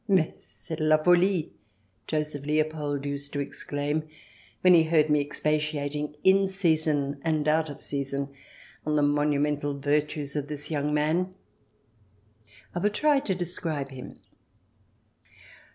" Mais c'est de la folie !" Joseph Leopold used to exclaim when he heard me expatia ting, in season and out of season, on the monumental virtues of this young man. I will try to describe him.